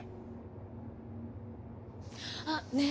あっねえ